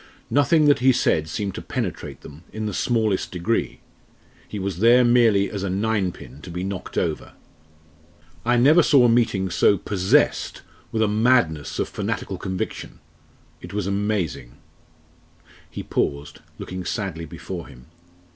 Nothing that he said seemed to penetrate them in the smallest degree. He was there merely as a ninepin to be knocked over. I never saw a meeting so possessed with a madness of fanatical conviction it was amazing!" He paused, looking sadly before him.